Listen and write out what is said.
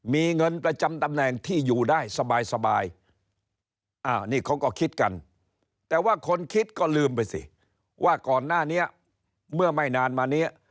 มีเงินประจำตำแหน่งที่อยู่ได้สบายนี่เขาก็คิดกันแต่ว่าคนคิดก็ลืมไปสิว่าก่อนหน้านี้เมื่อไม่นานมาเนี่ย